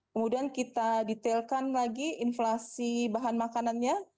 kemudian kita detailkan lagi inflasi bahan makanannya